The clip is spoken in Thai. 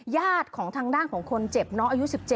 ญาติของทางด้านของคนเจ็บน้องอายุ๑๗